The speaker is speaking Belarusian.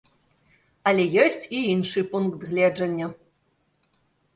Але ёсць і іншы пункт гледжання.